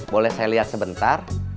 boleh saya liat sebentar